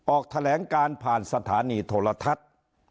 ออกแถลงการผ่านสถานีโทรทัศน์